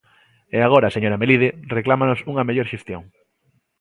E agora, señora Melide, reclámanos unha mellor xestión.